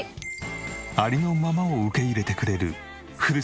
ありのままを受け入れてくれるふるさと